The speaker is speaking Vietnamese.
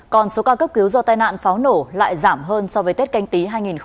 còn số ca cấp cứu do tai nạn pháo nổ lại giảm hơn so với tết canh tí hai nghìn hai mươi